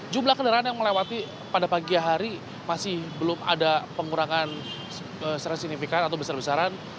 jumlah kendaraan yang melewati pada pagi hari masih belum ada pengurangan secara signifikan atau besar besaran